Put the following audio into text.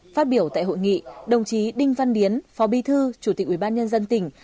phát biểu tại hội nghị đồng chí đinh văn điến phó bi thư chủ tịch ủy ban nhân dân tỉnh